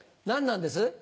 何なんです？